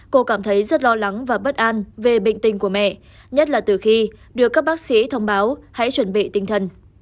cô cảm thấy rất lo lắng và bất an về bệnh tình của mẹ nhất là từ khi được các bác sĩ thông báo hãy chuẩn bị tinh thần